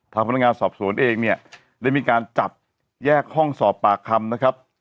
พนักงานสอบสวนเองเนี่ยได้มีการจับแยกห้องสอบปากคำนะครับ